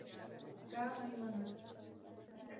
K. Neumanna.